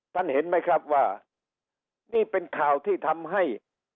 เห็นไหมครับว่านี่เป็นข่าวที่ทำให้